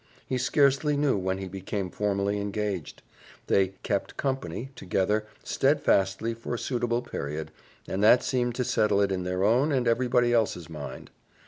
He scarcely knew when he became formally engaged. They "kept company" together steadfastly for a suitable period, and that seemed to settle it in their own and everybody else's mind.